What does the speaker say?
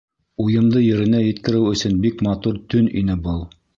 Уйымды еренә еткереү өсөн бик матур төн ине был.